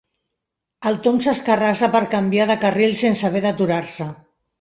El Tom s'escarrassa per canviar de carril sense haver d'aturar-se.